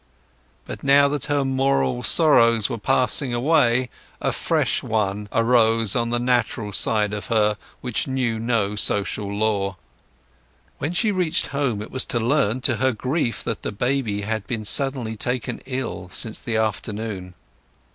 But now that her moral sorrows were passing away a fresh one arose on the natural side of her which knew no social law. When she reached home it was to learn to her grief that the baby had been suddenly taken ill since the afternoon.